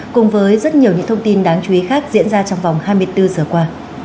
cùng với rất nhiều những thông tin đáng chú ý khác diễn ra trong vòng hai mươi bốn giờ qua